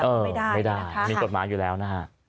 ไม่ได้ไม่ได้มีกฎหมายอยู่แล้วนะฮะ